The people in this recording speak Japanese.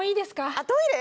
あっトイレ？